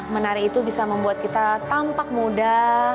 menari itu bisa membuat kita tampak muda